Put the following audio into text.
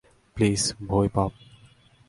Please, Vaibhav.